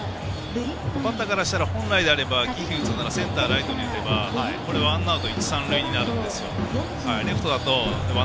バッターからしたら本来であればセンター、ライトに打てばワンアウト一、三塁になってしまうんです。